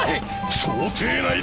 想定内だ！